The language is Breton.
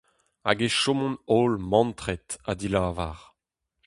Hag e chomont holl mantret ha dilavar.